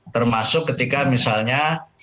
termasuk ketika misalnya